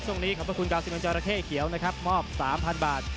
ช่วงนี้ขอบพระคุณกาวสิงคลังเจ้าระเข้เขียวนะครับมอบ๓๐๐๐บาท